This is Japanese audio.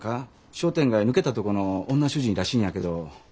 商店街抜けたとこの女主人らしいんやけど。